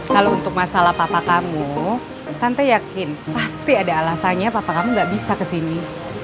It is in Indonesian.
kalau untuk masalah papa kamu tante yakin pasti ada alasannya papa kamu gak bisa ke sini